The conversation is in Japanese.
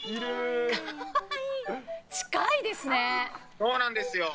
そうなんですよ。